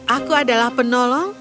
aku adalah penolong